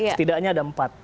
setidaknya ada empat